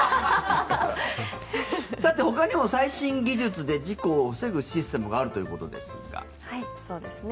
さて、ほかにも最新技術で事故を防ぐシステムがそうですね。